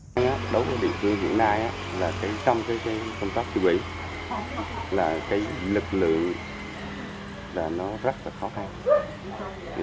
đối với địa phương hiện nay trong công tác chức hủy lực lượng rất khó khăn